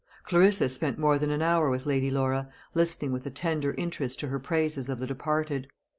Clarissa spent more than an hour with Lady Laura, listening with a tender interest to her praises of the departed.